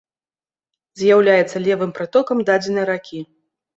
З'яўляецца левым прытокам дадзенай ракі.